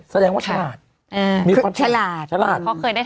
แสดงว่าฉลาด